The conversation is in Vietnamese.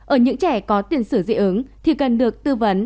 ở những trẻ có tiền sử dị ứng thì cần được tư vấn